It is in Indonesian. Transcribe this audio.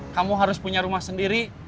kamu harus punya rumah sendiri